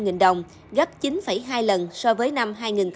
đạt chín mươi bốn bảy trăm linh đồng gấp chín hai lần so với năm hai nghìn bốn